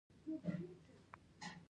د عمل لپاره څه شی اړین دی؟